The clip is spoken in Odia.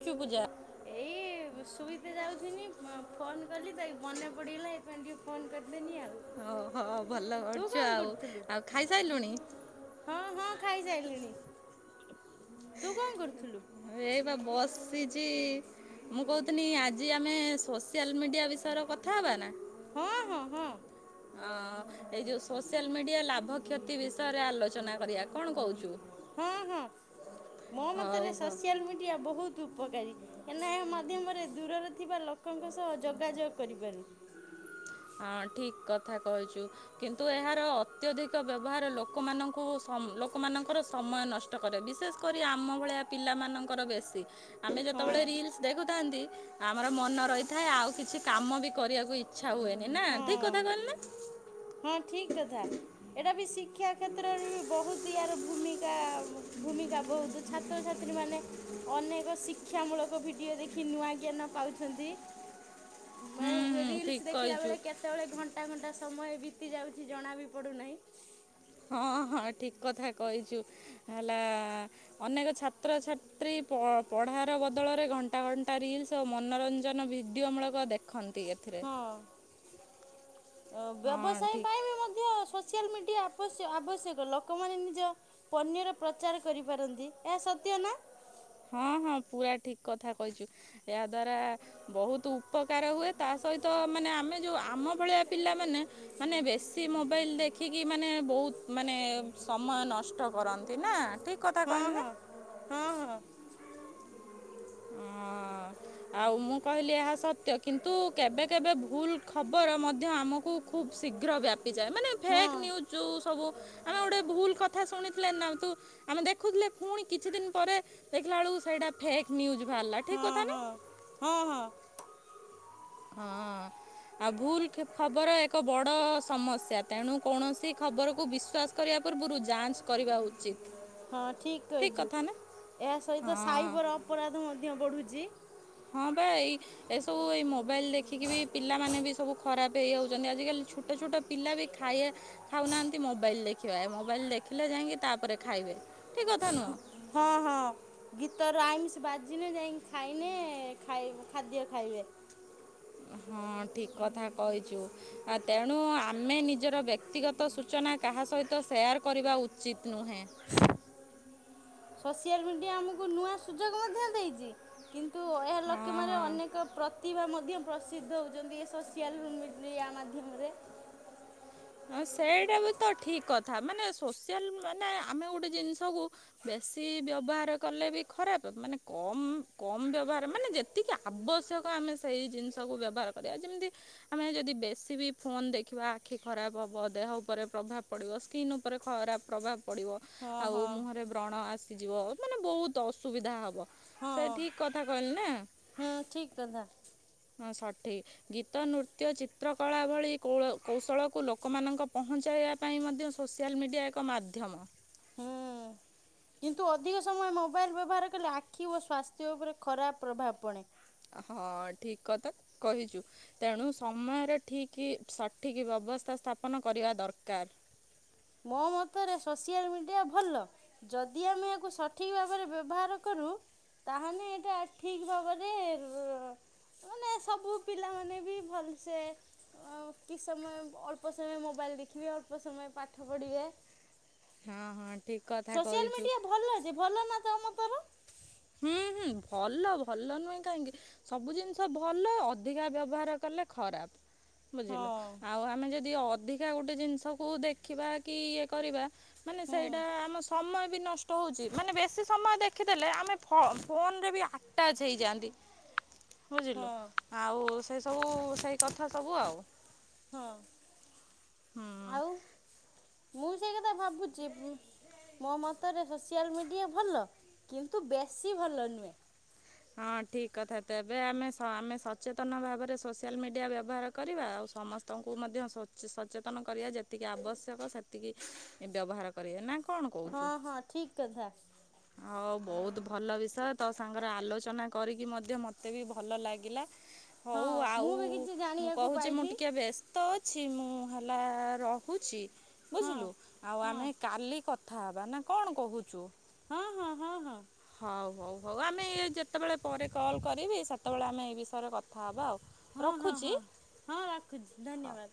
ଲଖି ପୂଜା ଏଇ ଶୋଇତେ ଯାଉଥିନି ଫୋନ୍ କଲି ସେ ମନେ ପଡ଼ିଗଲା ସେଇଥିପାଇଁ ଟିକେ ଫୋନ୍ କରିଦେନି ଆଉ। ଓହୋ ଭଲ ତୁ କରୁଛୁ କଣ ଆଉ କରୁଥିଲୁ? ଆଉ ଖାଇସାରିଲୁଣି? ହଁ ହଁ ଖାଇସାରିଲିଣି। ତୁ କଣ କରୁଥିଲୁ? ଏଇ ବା ବସିଛି ମୁଁ କହୁଥିନି ଆଜି ଆମେ ସୋସିଆଲ୍ ମିଡ଼ିଆ ବିଷୟରେ କଥା ହେବା ନା? ହଁ ହଁ ହଁ। ଓ ଏଇ ଯେଉଁ ସୋସିଆଲ ମିଡ଼ିଆ ଲାଭ କ୍ଷତି ବିଷୟ ରେ ଆଲୋଚନା କରିବା କଣ କହୁଛୁ? ହଁ ହଁ। ମୋ ହଉ ମତରେ ହଉ ସୋସିଆଲ୍ ମିଡ଼ିଆ ବହୁତୁ ଉପକାରୀ କାହିଁକି ନା ଏହା ମାଧ୍ୟମରେ ଦୂରରେ ଥିବା ଲୋକଙ୍କ ସହ ଯୋଗାଯୋଗ କରିପାରୁ। ହଁ ଠିକ୍ କଥା କହିଛୁ। କିନ୍ତୁ ଏହାର ଅତ୍ୟଧିକ ବ୍ୟବହାର ଲୋକମାନଙ୍କୁ ସମ୍ ଲୋକମାନଙ୍କର ସମୟ ନଷ୍ଟ କରେ ବିଶେଷ କରି ଆମ ଭଳିଆ ପିଲାମାନଙ୍କର ବେଶୀ ଆମେ ହଁ ଯେତେବେଳେ ରିଲ୍ସ ଦେଖୁଥାନ୍ତି ଆମର ମନ ରହିଥାଏ ଆଉ କିଛି କାମ ବି କରିବାକୁ ଇଚ୍ଛା ହୁଏନି। ନା ଠିକ୍ କଥା ହଁ। କହିଲି ନା? ହଁ ଠିକ୍ କଥା। ଏଟା ବି ଶିକ୍ଷା କ୍ଷେତ୍ରରେ ବି ବହୁତ ୟାର ଭୂମିକା ଭୂମିକା ବହୁତୁ ଛାତ୍ରଛାତ୍ରୀ ମାନେ ଅନେକ ଶିକ୍ଷା ମୂଳକ ଭିଡିଓ ଦେଖି ନୂଆ ଜ୍ଞାନ ପାଉଛନ୍ତି। ମାନେ ହୁଁ ହୁଁ ରିଲ୍ସ ଠିକ୍ ଦେଖିଲା କହିଛୁ। ବେଳେ କେତେବେଳେ ଘଣ୍ଟା ଘଣ୍ଟା ସମୟ ବିତି ଯାଉଛି ଜଣା ବି ପଡୁନାହିଁ। ହଁ ହଁ ଠିକ୍ କଥା କହିଛୁ ହେଲା ଅନେକ ଛାତ୍ରଛାତ୍ରୀ ପ ପଢ଼ାର ବଦଳରେ ଘଣ୍ଟା ଘଣ୍ଟା ରିଲ୍ସ ସ ମନୋରଞ୍ଜନ ଭିଡିଓ ମୂଳକ ଦେଖ୍ ହଁ ଅ ହଁ ବ୍ୟବସାୟ ଠିକ୍ ପାଇଁ ବି ମଧ୍ୟ ସୋ ସିଆଲ ମିଡ଼ିଆ ଆବସ୍ ଆବଶ୍ୟକ ଲୋକମାନେ ନିଜ ପନିର୍ ର ପ୍ରଚାର କରିପାରନ୍ତି ଏହା ସତ୍ୟ ନା? ହଁ ହଁ ପୁରା ଠିକ୍ କଥା କହିଛୁ ଏହାଦ୍ୱାରା ବହୁତୁ ଉପକାର ହୁଏ ତା ସହିତ ମାନେ ଆମେ ଯୋଉ ଆମ ଭଳିଆ ପିଲାମାନେ ମାନେ ବେଶୀ ମୋବାଇଲ୍ ଦେଖିକି ମାନେ ବହୁତ୍ ମାନେ ସମୟ ନଷ୍ଟ କରନ୍ତି ନା ଠିକ୍ କଥା ହଁ କହିଲ୍ ହଁ ନେ। ହଁ ହଁ। ଆଉ ମୁଁ କହିଲି ଏହା ସତ୍ୟ କିନ୍ତୁ କେବେ କେବେ ଭୁଲ ଖବର ମଧ୍ୟ ଆମକୁ ଖୁବ୍ ଶୀଘ୍ର ବ୍ୟାପିଯାଏ ମାନେ ହଁ ଫେକ୍ ନ୍ୟୁଜ୍ ଯେଉଁ ସବୁ ଆମେ ଗୋଟେ ଭୁଲ କଥା ଶୁଣିଥିଲେ ନା ତୁ ଆମେ ଦେଖୁଥିଲେ ପୁଣି କିଛି ଦିନ ପରେ ଦେଖିଲା ବେଳକୁ ସେଇଟା ଫେକ୍ ନ୍ୟୁଜ ବାହାରିଲା ଠିକ ହଁ କଥା ନା? ହଁ ହଁ ହଁ। ହଁ। ଆଉ ଭୁଲ ଖବର ଏକ ବଡ ସମସ୍ୟା ତେଣୁ କୌଣସି ଖବରକୁୁ ବିଶ୍ଵାସ କରିବା ପୂର୍ବରୁ ଯାଞ୍ଚ କରିବା ଉଚିତ୍। ହଁ ଠିକ କହିଛୁ ଏହା ହଁ। ସହିତ ସାଇବର ଅପରାଧ ମଧ୍ୟ ବଢୁଛି। ହଁ ବା ଏଇ ଏସବୁ ଏଇ ମୋବାଇଲ୍ ଦେଖିକି ବି ପିଲାମାନେ ବି ସବୁ ଖରାପ ହେଇଯାଉଛନ୍ତି ଆଜିକାଲି ଛୋଟ ଛୋଟ ପିଲା ବି ଖାଇବା ଖାଉନାହାନ୍ତି ମୋବାଇଲ ଦେଖିବା ଏ ମୋବାଇଲ ଦେଖିଲେ ଯାଇକି ତାପରେ ଖାଇବେ ଠିକ କଥା ନୁହଁ। ହଁ ହଁ। ଗୀତରୁ ରାଇମିଷ ବାଜିିନେ ଯାଇକି ଖାଇନେ ଖାଇ ଖାଦ୍ୟ ଖାଇବେ। ହଁ ଠିକ୍ କଥା କହିଛୁ। ତେଣୁ ଆମେ ନିଜର ବ୍ୟକ୍ତିଗତ ସୂଚନା କାହା ସହିତ ସେୟାର କରିବା ଉଚିତ୍ ନୁହେଁ। ସୋସିଆଲ ମିଡିଆ ଆମକୁ ନୂଆ ସୁଯୋଗ ମଧ୍ୟ ଦେଇଛି କିନ୍ତୁ ଏହା ହଁ ଲକ୍ଷ୍ୟ ମାନେ ହଁ ଅନେକ ପ୍ରତିଭା ମଧ୍ୟ ପ୍ରସିଦ୍ଧ ହେଉଛନ୍ତି ଏ ସୋସିଆଲ୍ ମିଡ଼ିଆ ମାଧ୍ୟମରେ। ହଁ ସେଇଟା ବି ତ ଠିକ୍ କଥା ମାନେ ସୋସିଆଲ ମାନେ ଆମେ ଗୋଟେ ଜିନିଷକୁ ବେଶୀ ବ୍ୟବହାର କଲେ ବି ଖରାପ ମାନେ କମ କମ ବ୍ୟବହାର ମାନେ ଯେ ଏତିକି ଆବଶ୍ୟକ ଆମେ ସେଇ ଜିନିଷକୁ ବ୍ୟବହାର କରିବା ଯେମିତି ଆମେ ଯଦି ବେଶୀ ବି ଫୋନ ଦେଖିବା ଆଖି ଖରାପ ହେବ ଦେହ ଉପରେ ପ୍ରଭାବ ପଡ଼ିବ ସ୍କିନ୍ ଉପରେ ଖରାପ ପ୍ରଭାବ ପଡ଼ିବ ହଁ ଆଉ ହଁ ମୁହଁରେ ରଣ ଆସିଯିବ ମାନେ ବହୁତ ଅସୁବିଧା ହବ। ହଁ ସେ ଠିକ କଥା କହିଲ ନା? ହୁଁ ଠିକ୍ କଥା ହଁ ସଠିକ ଗୀତ ନୃତ୍ୟ ଚିତ୍ରକଳା ଭଳି କୌଲ କୌଶଳ କୁ ଲୋକମାନଙ୍କ ପହଞ୍ଚାଇବା ପାଇଁ ମଧ୍ୟ ସୋସିଆଲ୍ ମିଡ଼ିଆ ଏକ ମାଧ୍ୟମ। ହୁଁ। କିନ୍ତୁ ଅଧିକ ସମୟ ମୋବାଇଲ ବ୍ୟବହାର କଲେ ଆଖି ଓ ସ୍ୱାସ୍ଥ୍ୟ ଉପରେ ଖରାପ ପ୍ରଭାବ ପଡ଼େ। ହଁ ଠିକ କଥା କହିଛୁ। ତେଣୁ ସମୟରେ ଠିକ୍ ସଠିକ୍ ବ୍ୟବସ୍ଥା ସ୍ଥାପନ କରିବା ଦରକାର। ମୋ ମତରେ ସୋସିଆଲ ମିଡିଆ ଭଲ। ଯଦି ଆମେ ଏହାକୁ ସଠିକ ଭାବରେ ବ୍ୟବହାର କରୁ ତାହଲେ ଏଇଟା ଠିକ ଭାବରେ ମାନେ ସବୁ ପିଲାମାନୋନେ ବି ଭଲସେ କିସ୍ ସମୟ ଅଳ୍ପ ସମୟ ମୋବାଇଲ ଦେଖିଲେ ଅଳ୍ପ ସମୟ ପାଠ ପଢ଼ିବେ ହଁ ହଁ ଠିକ କଥା କହିଛୁ। ସେ ଭଲ ନା ତମ ତୋର? ହୁଁ ହୁଁ ଭଲ ଭଲ ନୁହେଁ କାହିଁକି? ସବୁ ଜିନିଷ ଭଲ ଅଧିକା ବ୍ୟବହାର କଲେ ଖରାପ। ହଁ ବୁଝିଲୁ ଆଉ ଆମେ ଯଦି ଅଧିକା ଗୋଟେ ଜିନିଷକୁ ଦେଖିବା କି ଇଏ କରିବା ମାନେ ହୁଁ ସେଇଟା ଆମ ସମୟ ବି ନଷ୍ଟ ହଉଛି ମାନେ ବେଶୀ ସମୟ ଦେଖିଦେଲେ ଆମେ ଫ ଫୋନରେ ବି ଆଟାଚ୍ ହେଇଯାଆନ୍ତି ହଁ ବୁଝିଲୁ। ଆଉ ସେ ସବୁ ସେଇ କଥା ସବୁ ଆଉ। ହଁ ହୁଁ ଆଉ ମୁଁ ସେଇ କଥା ଭାବୁଚିବି ମୋ ମତରେ ସୋସିଆଲ ମିଡିଆ ଭଲ କିନ୍ତୁ ବେଶୀ ଭଲ ନୁହେଁ। ହଁ ଠିକ୍ କଥା ତେବେ ଆମେ ସ ଆମେ ସଚେତନ ଭାବରେ ସୋସିଆଲ ମିଡିଆ ବ୍ୟବହାର କରିବା ଆଉ ସମ ସ୍ତଙ୍କୁ ମଧ୍ୟ ସଚେ ସଚେତନ କରିବା ଯେତିକି ଆବଶ୍ୟକ ସେତିକି ବ୍ୟବହାର କରିବା ନା କଣ ହଁ କହୁଚୁ ହଁ ଠିକ୍ କଥା ଓ ବହୁତ ଭଲ ବିଷୟ ତୋ ସାଙ୍ଗରେ ଆଲୋଚ ଚନା କରିକି ମଧ୍ୟ ମତେ ବି ଭଲ ଲାଗିଲା। ହଁ ହଉ ମୁଁ ବି କିଛି ଜାଣିବାକୁ ପାଇଲି। ତ ଅଛି ମୁଁ ହେଲା ରହୁଛି ହଁ ବୁଝିଲୁ। ଆଉ ହଁ ଆମେ କାଲି କଥା ହେବା ନା କଣ କହୁଚୁ ହଁ ହଁ ହଁ ହଁ ହଉ ହଉ ହଉ ଆମେ ଇଏ ଯେତେବେଳେ ପରେ କଲ୍ କରିବି ସେତେବେଳେ ଆମେ ଏ ବିଷୟରେ କଥା ହବା ଆଉ। ହଁ ହଁ ହଁ ରଖୁଚି ହଁ ରଖୁଛି ଧନ୍ୟବାଦ।